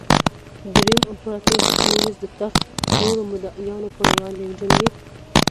درېیم امپراتور سېوروس د تخت نورو مدعیانو پر وړاندې وجنګېد